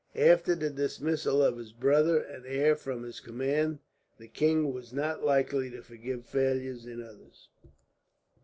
After the dismissal of his brother and heir from his command, the king was not likely to forgive failure in others.